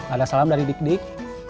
ada salam dari dik dik